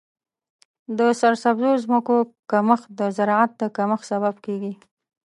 د سرسبزو ځمکو کمښت د زراعت د کمښت سبب کیږي.